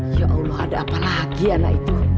ya allah ada apa lagi anak itu